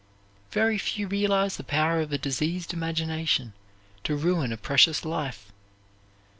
Very few realize the power of a diseased imagination to ruin a precious life.